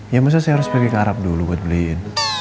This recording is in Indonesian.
ya maksudnya saya harus pergi ke arab dulu buat beliin